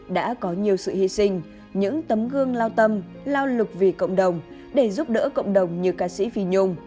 đã có nhiều sự hy sinh những tấm gương lao tâm lao lực vì cộng đồng để giúp đỡ cộng đồng như ca sĩ phi nhung